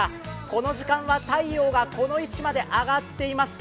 この時間は太陽がこの位置まで上がっています。